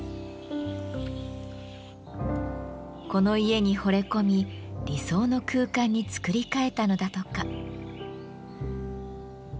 この家にほれ込み理想の空間に造り替えたのだとか。